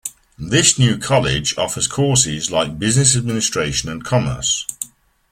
This new college offers courses like Business Administration and Commerce.